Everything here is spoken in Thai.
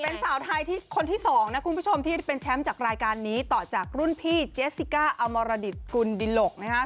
เป็นสาวไทยที่คนที่สองนะคุณผู้ชมที่เป็นแชมป์จากรายการนี้ต่อจากรุ่นพี่เจสสิก้าอมรดิตกุลดิหลกนะครับ